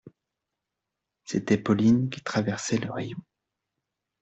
C'était Pauline qui traversait le rayon.